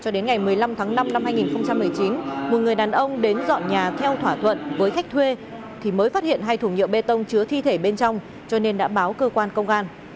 đến ngày một mươi năm tháng năm năm hai nghìn một mươi chín một người đàn ông đến dọn nhà theo thỏa thuận với khách thuê mới phát hiện hai thùng nhựa bê tông chứa thi thể bên trong cho nên đã báo cơ quan công an